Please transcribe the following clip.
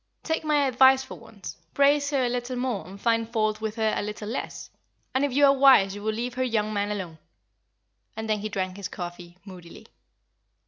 Take my advice for once, praise her a little more and find fault with her a little less; and if you are wise you will leave her young man alone;" and then he drank his coffee, moodily.